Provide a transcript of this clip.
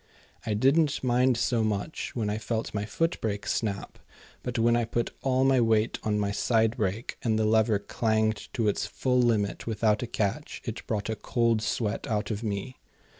I didn't mind so much when I felt my footbrake snap, but when I put all my weight on my side brake, and the lever clanged to its full limit without a catch, it brought a cold sweat out of me.